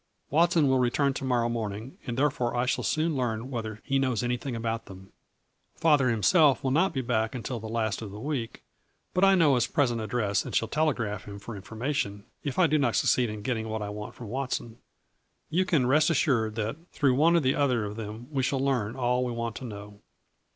Watson will return to morrow morning and therefore I shall soon learn whether he knows anything about them. Father himself will not be back until the last of the week, but I know his present address and shall telegraph him for information, if I do not succeed in getting what I want from Watson. You can rest assured that through one or the other of them we shall learn all we want to know.